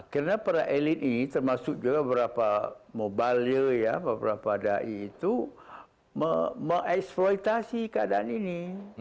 karena para elit ini termasuk juga beberapa mobilnya beberapa da'i itu mengeksploitasi keadaan ini